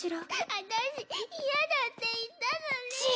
あたし嫌だって言ったのにぃ。